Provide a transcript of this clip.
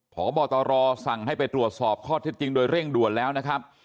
พบตรสั่งให้ไปตรวจสอบข้อเท็จจริงโดยเร่งด่วนแล้วนะครับ